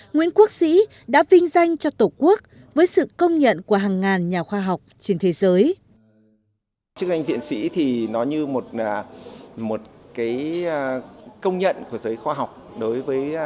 nguyễn quốc sĩ đã vinh danh cho tổ quốc với sự công nhận của hàng ngàn nhà khoa học trên thế giới